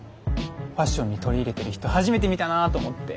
ファッションに取り入れてる人初めて見たなと思って。